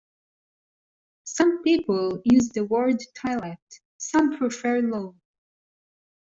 Some people use the word toilet, some prefer loo